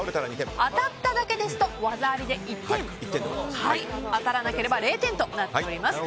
当たっただけですと技ありで１点当たらなければ０点となっています。